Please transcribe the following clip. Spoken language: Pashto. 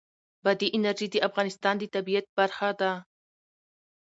بادي انرژي د افغانستان د طبیعت برخه ده.